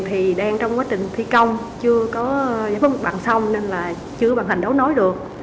thì đang trong quá trình thi công chưa có giải phóng bằng xong nên là chưa hoàn thành đấu nối được